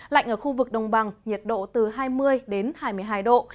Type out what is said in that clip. lạnh ở khu vực đồng bằng nhiệt độ từ hai mươi đến hai mươi hai độ